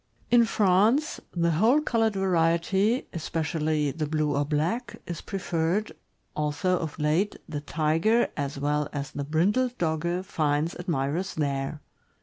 In France, the whole colored variety, especially the blue or black, is preferred, although of late the Tiger as well as the brindled Dogge finds admirers there.